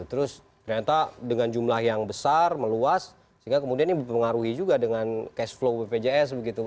terus ternyata dengan jumlah yang besar meluas sehingga kemudian ini dipengaruhi juga dengan cash flow bpjs begitu